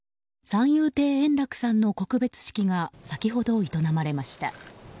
三遊亭円楽さんの告別式が先ほど営まれました。